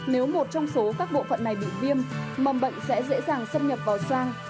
nếu một trong số các bộ phận này bị viêm mầm bệnh sẽ dễ dàng xâm nhập vào sang